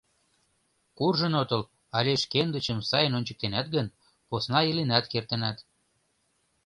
Куржын отыл але шкендычым сайын ончыктенат гын, посна иленат кертынат.